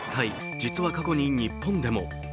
実は過去に日本でも。